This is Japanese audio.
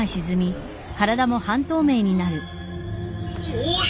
おい。